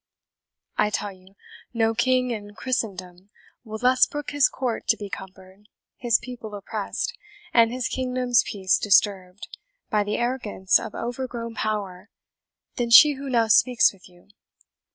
I tell you, no king in Christendom will less brook his court to be cumbered, his people oppressed, and his kingdom's peace disturbed, by the arrogance of overgrown power, than she who now speaks with you.